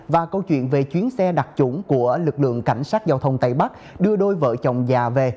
và câu chuyện về chuyến xe đặc trủng của lực lượng cảnh sát giao thông tây bắc đưa đôi vợ chồng già về